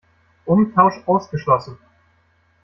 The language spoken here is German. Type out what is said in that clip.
Umtausch ausgeschlossen!